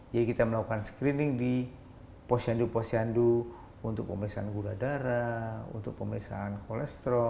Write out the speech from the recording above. jadi kita melakukan screening di posyandu posyandu untuk pemisahan gula darah untuk pemisahan kolesterol